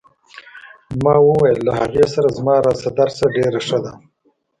ما وویل له هغې سره زما راشه درشه ډېره ښه ده.